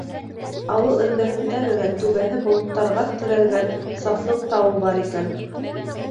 Ауыл эргәһендә генә түбәһе болоттарға терәлгән Сафлыҡ тауы бар икән.